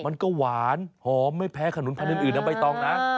มันก็หวานหอมไม่แพ้ขนุนพันธุ์อื่นนะใบตองนะ